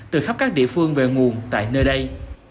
từ khắp các địa phương về nguồn tại nơi đây